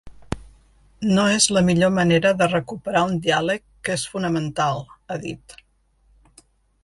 No és la millor manera de recuperar un diàleg que és fonamental, ha dit.